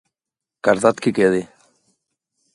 Cardat qui quedi.